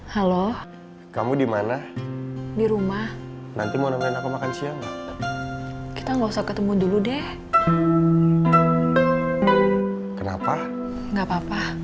halo kamu dimana di rumah nte mau nomen aku makan siang kita gak usah ketemu dulu dehkita ngustah ketemu dulu deh kenapa